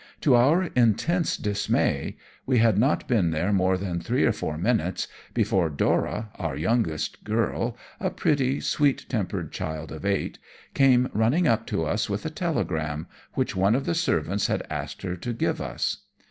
To our intense dismay, we had not been there more than three or four minutes, before Dora, our youngest girl, a pretty, sweet tempered child of eight, came running up to us with a telegram, which one of the servants had asked her to give us.